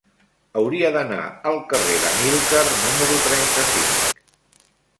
Hauria d'anar al carrer d'Amílcar número trenta-cinc.